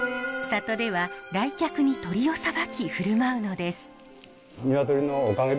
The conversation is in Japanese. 里では来客に鶏をさばき振る舞うのです。